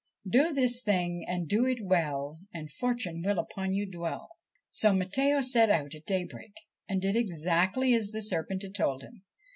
' Do this thing and do it well, And fortune will upon you dwell' So Matteo set out at daybreak, and did exactly as the serpent 36 THE SERPENT PRINCE had told him.